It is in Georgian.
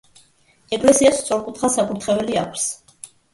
ეკლესიას სწორკუთხა საკურთხეველი აქვს.